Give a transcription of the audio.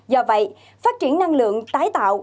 do vậy phát triển năng lượng tái tạo